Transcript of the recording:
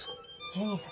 １２歳。